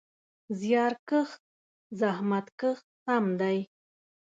زیارکښ: زحمت کښ سم دی.